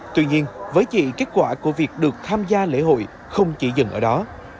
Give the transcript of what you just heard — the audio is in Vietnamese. tuy nhiên với chị kết quả của việc được tham gia lễ hội không chỉ dừng ở đó